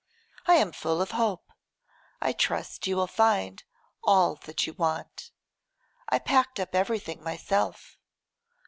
I am full of hope. I trust you will find all that you want. I packed up everything myself.